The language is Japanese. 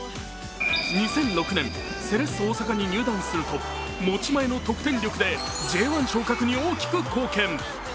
２００６年、セレッソ大阪に入団すると持ち前の得点力でＪ１昇格に大きく貢献。